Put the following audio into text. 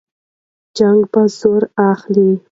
جنګ به زور اخلي.